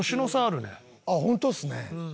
あっホントですね。